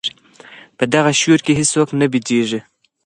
په دغه شور کي هیڅوک نه بېدېږي.